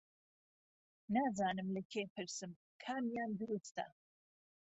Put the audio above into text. نازانم لە کێ پرسم کامیان درووستە